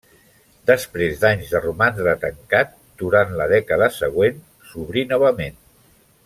Després d'anys de romandre tancat, durant la dècada següent s'obrí novament.